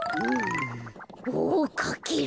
おかける！